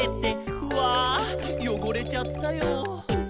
「うぁよごれちゃったよ」